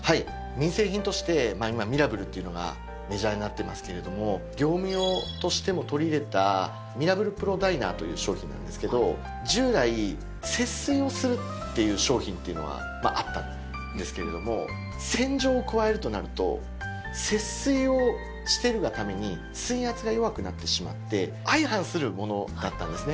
民生品として今「ミラブル」っていうのがメジャーになってますけれども業務用としても取り入れた「ミラブルプロダイナー」という商品なんですけど従来節水をするっていう商品っていうのはあったんですけれども洗浄を加えるとなると節水をしてるがために水圧が弱くなってしまって相反するものだったんですね。